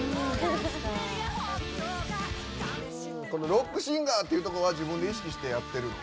ロックシンガーってとこは自分で意識してやってるの？